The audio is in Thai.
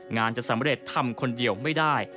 จะสำเร็จทำคนเดียวไม่ได้